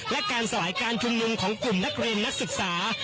และการสลายการชุมนุมของกลุ่มนักเรียนนักศึกษา